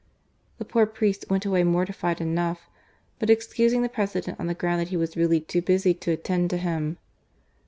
The poor priest went away mortified enough, but excusing the President on the ground that he was really too busy to attend to him.